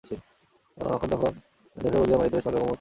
মাখন উৎসাহ দেখাইয়া বলিলেন, বাড়িতে বেশ ভালোরকম একটা অতিথিশালা খোলা চাই।